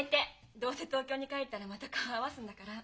どうせ東京に帰ったらまた顔を合わすんだから。